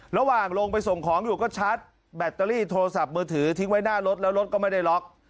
ระหว่างลงไปส่งของอยู่ก็ชาร์จแบตเตอรี่โทรศัพท์มือถือทิ้งไว้หน้ารถแล้วรถก็ไม่ได้ล็อก